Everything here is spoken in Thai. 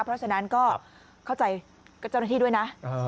เพราะฉะนั้นก็เข้าใจกับเจ้าหน้าที่ด้วยนะ